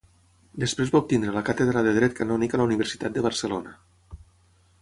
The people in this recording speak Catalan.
Després va obtenir la càtedra de dret canònic a la Universitat de Barcelona.